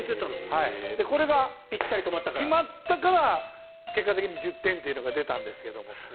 これが決まったから結果的に１０点というのが出たんですけども。